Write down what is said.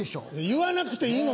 言わなくていいの。